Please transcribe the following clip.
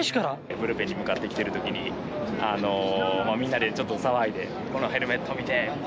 ブルペンに向かってきているときに、みんなでちょっと騒いでこのヘルメット見てって。